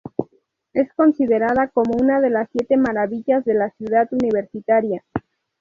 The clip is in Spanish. Es considerada como una de las siete maravillas de la ciudad universitaria.